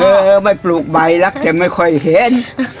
เออไม่ปลูกใบรักจะไม่ค่อยเห็น